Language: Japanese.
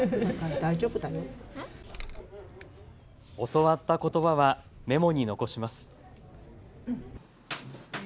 教わったことばはメモに残します。